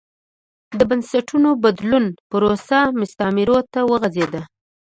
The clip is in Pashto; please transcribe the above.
د بنسټونو بدلون پروسه مستعمرو ته وغځېده.